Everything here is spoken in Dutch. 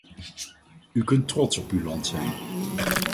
U kunt trots op uw land zijn!